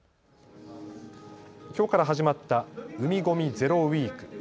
きょうから始まった海ごみゼロウィーク。